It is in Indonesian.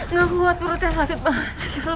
nggak kuat perutnya sakit banget